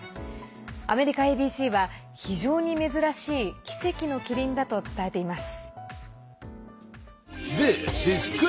アメリカＡＢＣは非常に珍しい奇跡のキリンだと伝えています。